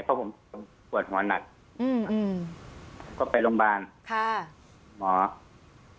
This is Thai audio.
เพราะผมปวดหว่อนหนักอืมอืมก็ไปโรงพยาบาลค่ะโรงมหาวะ